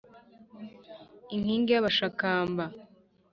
Inkingi y’Abashakamba